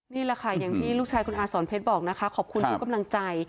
นี่แหละค่ะอย่างที่ลูกชายคุณอาสอนเพชรบอกนะคะขอบคุณทุกกำลังใจ